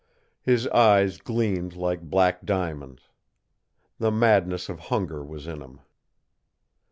His eyes gleamed like black diamonds. The madness of hunger was in him.